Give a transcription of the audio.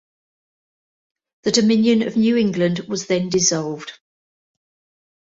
The Dominion of New England was then dissolved.